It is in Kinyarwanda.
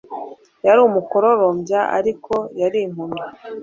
Yari umukororombya, ariko yari impumyi.